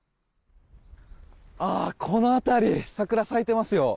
この辺り桜、咲いていますよ。